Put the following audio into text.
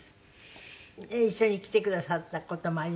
一緒に来てくださった事もありましたけども。